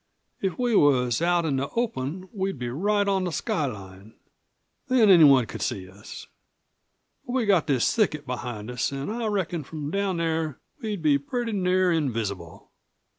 "If we was out in the open we'd be right on the skyline. Then anyone could see us. But we've got this thicket behind us, an' I reckon from down there we'd be pretty near invisible."